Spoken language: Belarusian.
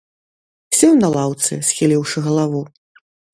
Сеў на лаўцы, схіліўшы галаву.